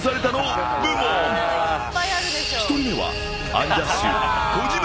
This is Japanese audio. ［１人目は］